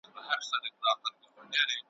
او سړی پوه نه سي چي نقاش څه غوښتل `